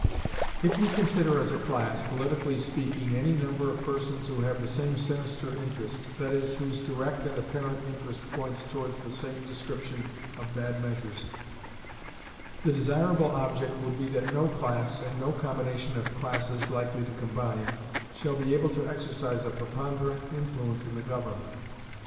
If we consider as a class, politically speaking, any number of persons who have the same sinister interest that is, whose direct and apparent interest points towards the same description of bad measures the desirable object would be that no class, and no combination of classes likely to combine, shall be able to exercise a preponderant influence in the government.